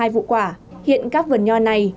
hai vụ quả hiện các vườn nho này